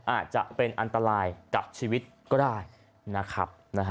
อาจจะเป็นอันตรายกับชีวิตก็ได้นะครับ